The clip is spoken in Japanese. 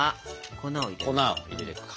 粉を入れてくか。